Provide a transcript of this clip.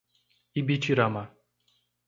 Ibitirama